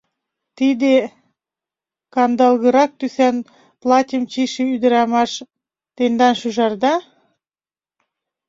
— Тиде... кандалгырак тӱсан платьым чийше ӱдрамаш... тендан шӱжарда?